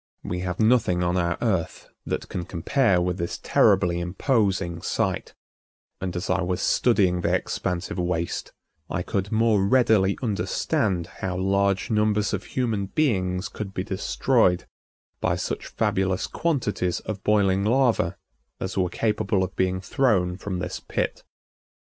We have nothing on our Earth that can compare with this terribly imposing sight, and as I was studying the expansive waste I could more readily understand how large numbers of human beings could be destroyed by such fabulous quantities of boiling lava as were capable of being thrown from this pit.